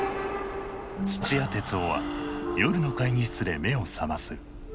土屋徹生は夜の会議室で目を覚ます。